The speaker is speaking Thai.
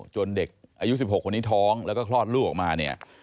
เด็กอายุ๑๖คนนี้ท้องแล้วก็คลอดลูกออกมาเนี่ย